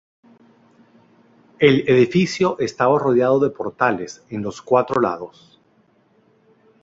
El edificio estaba rodeado de portales en los cuatro lados.